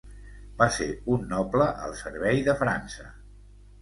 Va ser un noble al servei de França.